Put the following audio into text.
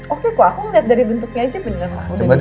oke kok aku lihat dari bentuknya aja bener